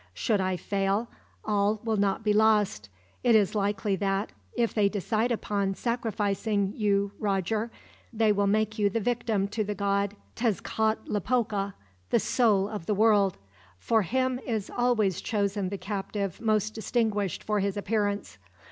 "Should I fail, all will not be lost. It is likely that, if they decide upon sacrificing you, Roger, they will make you the victim to the god Tezcatlepoca, 'the soul of the world.' For him is always chosen the captive most distinguished for his appearance.